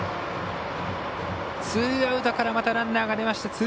ツーアウトからまたランナーが出ました。